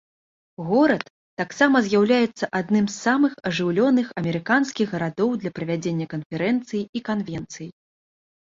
Горад таксама з'яўляецца адным з самых ажыўленых амерыканскіх гарадоў для правядзення канферэнцый і канвенцый.